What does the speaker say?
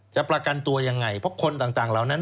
ประกันตัวยังไงเพราะคนต่างเหล่านั้น